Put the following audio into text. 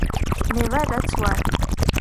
მე ვარ რაც ვარ